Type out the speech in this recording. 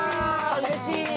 うれしい！